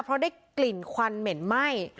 เพราะได้กลิ่นควันเหม็นไหม้